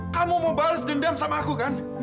kamu mau bales dendam sama aku kan